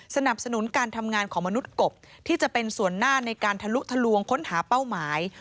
สนับสนุนการทำงานของมนุษย์กบที่จะเป็นส่วนหน้าในการทะลุทะลวงค้นหาเป้าหมาย